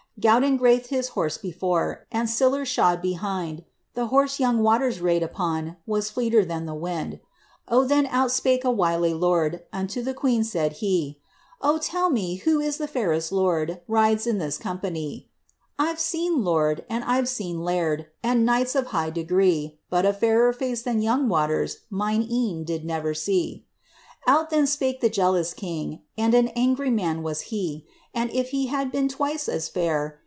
Gowden graithed his horse beibra^ And siller shod behind ; The horse young Waters raid upon Was fleeter than the wind. O then out spake a wily lord, Unto the queen said he — Rides in this company.' * I Ve seen lord, and I 've seen laird, And knights of high degree. But a fairer face than young Waters Mine e*en did never see.* Out then spake the jealous king, (And an angry man was he,) *An if he had b««n twice as (kir.